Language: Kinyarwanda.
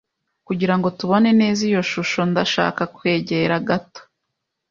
Kugirango tubone neza iyo shusho, ndashaka kwegera gato.